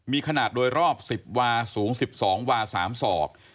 มีขนาดโดยรอบ๑๐วาสูง๑๒วา๓ศอก